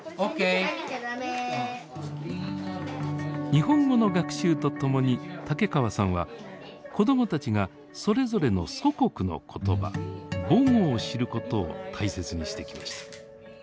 日本語の学習とともに竹川さんは子どもたちがそれぞれの祖国の言葉母語を知ることを大切にしてきました。